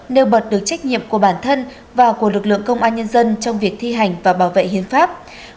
nêu bật được trách nhiệm của bản thân và của lực lượng công an nhân dân trong việc thi hành và bảo vệ hiến pháp